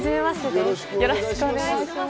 よろしくお願いします。